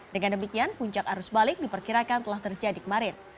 dengan demikian puncak arus balik diperkirakan telah terjadi kemarin